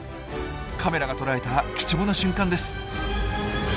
カメラが捉えた貴重な瞬間です。